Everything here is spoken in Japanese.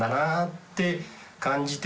って感じて